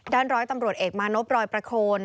ร้อยตำรวจเอกมานพรอยประโคน